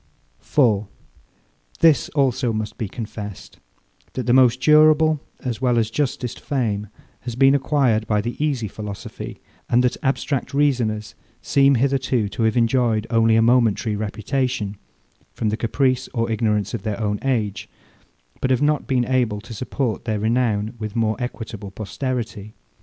4. This also must be confessed, that the most durable, as well as justest fame, has been acquired by the easy philosophy, and that abstract reasoners seem hitherto to have enjoyed only a momentary reputation, from the caprice or ignorance of their own age, but have not been able to support their renown with more equitable posterity.